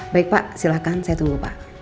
baik pak silahkan saya tunggu pak